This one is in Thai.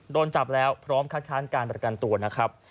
โดนจับแล้วพร้อมคัดค้านการประกันตัวนะครับ